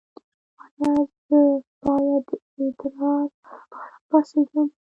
ایا زه باید د ادرار لپاره پاڅیږم؟